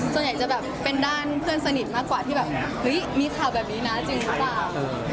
ส่วนใหญ่จะแบบเป็นด้านเพื่อนสนิทมากกว่าที่แบบเฮ้ยมีข่าวแบบนี้นะจริงหรือเปล่า